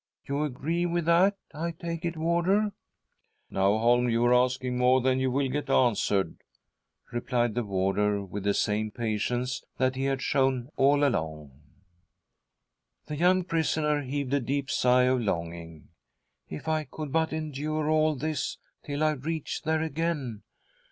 You agree with that; I take it, warder ?"" Now, Holm, you are asking more than you will get answered," replied the warder, with the same patience that he had shown ail along. The young prisoner heaved a deep sigh of longing. '" If I could but endure all this, till I reach there again